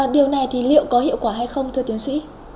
điều này thì liệu có hiệu quả hay không thưa tiến sĩ